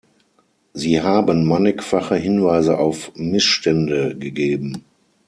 Sie haben mannigfache Hinweise auf Missstände gegeben.